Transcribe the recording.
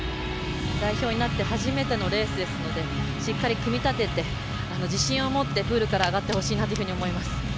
代表になって初めてのレースですのでしっかり組み立てて自信を持ってプールから上がってほしいなと思います。